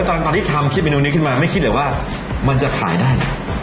ตอนที่ทำคิดเมนูนี้ขึ้นมาไม่คิดเลยว่ามันจะขายได้นะ